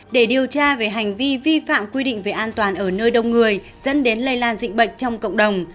để điều tra về hành vi vi phạm quy định về an toàn ở nơi đông người dẫn đến lây lan dịch bệnh trong cộng đồng